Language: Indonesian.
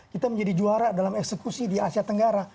kita menjadi juara dalam eksekusi di asia tenggara